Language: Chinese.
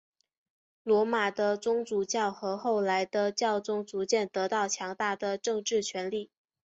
罗马的宗主教和后来的教宗逐渐得到强大的政治权力。